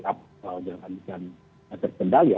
kalau dianggap terkendali